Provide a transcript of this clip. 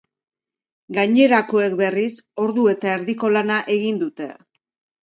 Gainerakoek, berriz, ordu eta erdiko lana egin dute.